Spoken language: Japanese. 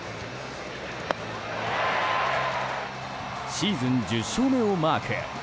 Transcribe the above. シーズン１０勝目をマーク！